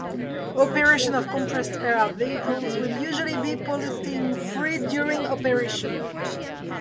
Operation of compressed air vehicles will usually be pollution free during operation.